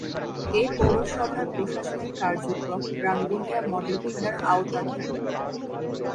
এ পৌরসভার প্রশাসনিক কার্যক্রম রাঙ্গুনিয়া মডেল থানার আওতাধীন।